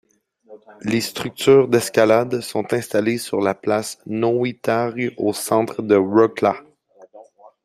Les structures d'escalades sont installées sur la place Nowy Targ au centre de Wrocław.